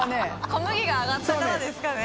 小麦が上がったからですかね？